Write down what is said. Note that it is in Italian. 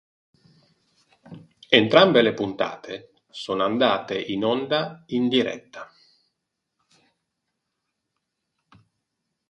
Entrambe le puntate sono andate in onda in diretta.